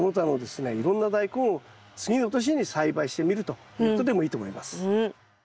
いろんなダイコンを次の年に栽培してみるということでもいいと思います。